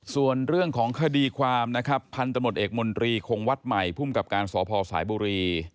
ส่วนเรื่องของคดีความนะครับพันธมตเอกมนตรีคงวัดใหม่ภูมิกับการสพสายบุรี